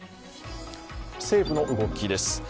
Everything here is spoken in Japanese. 政府の動きです。